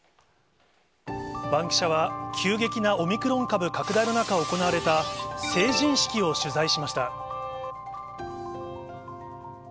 バンキシャは急激なオミクロン株拡大の中、行われた成人式を取材しました。